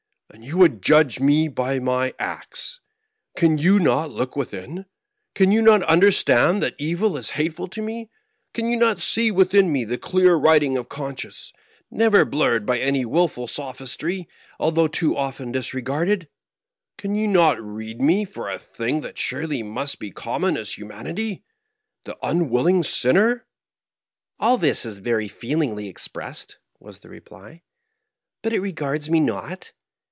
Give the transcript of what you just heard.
And you would judge me by my acts 1 But can you not look within ? Can you not understand that evil is hate ful to me ? Can you not see within me the clear writing of conscience, never blurred by any willful sophistry, although .too often disregarded ? Can you not read me for a thing that surely must be common as humanity — the unwilling sinner ?"" All this is very feelingly expressed," was the reply, "but it regards me not.